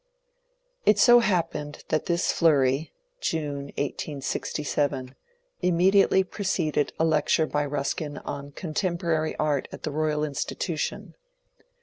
It so happened that this flurry (June, 1867) immediately preceded a lecture by Ruskin on contemporary art at the Royal Institution.